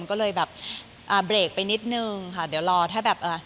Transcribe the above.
ก็เลยแบบอ่าเบรกไปนิดนึงค่ะเดี๋ยวรอถ้าแบบเอ่อ